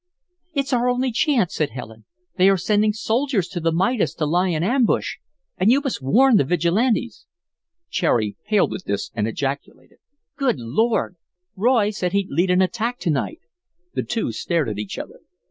"It's the only chance," said Helen. "They are sending soldiers to the Midas to lie in ambush, and you must warn the Vigilantes." Cherry paled at this and ejaculated: "Good Lord! Roy said he'd lead an attack to night." The two stared at each other.